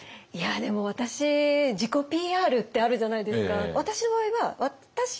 でも私自己ＰＲってあるじゃないですか。